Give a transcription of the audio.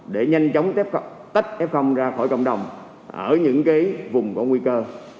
để nhanh chóng tách f ra khỏi cộng đồng ở những vùng có nguy cơ